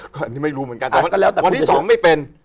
ก็อันนี้ไม่รู้เหมือนกันวันที่๒ไม่เป็น